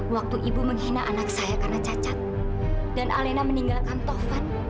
waktu ibu menghina anak saya karena cacat dan alena meninggalkan tovan